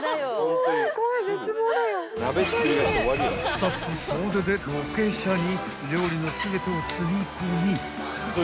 ［スタッフ総出でロケ車に料理の全てを積み込み］